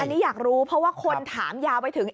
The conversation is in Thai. อันนี้อยากรู้เพราะว่าคนถามยาวไปถึง